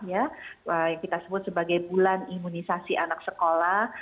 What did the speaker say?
yang kita sebut sebagai bulan imunisasi anak sekolah